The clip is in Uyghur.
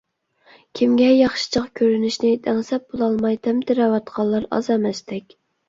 كىمگە ياخشىچاق كۆرۈنۈشنى دەڭسەپ بولالماي تەمتىرەۋاتقانلار ئاز ئەمەستەك.